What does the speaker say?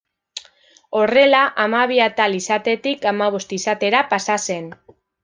Horrela, hamabi atal izatetik hamabost izatera pasa zen.